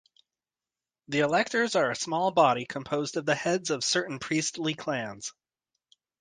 The electors are a small body composed of the heads of certain priestly clans.